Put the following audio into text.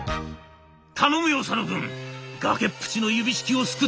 「頼むよ佐野くん！崖っぷちの指式を救ってくれ。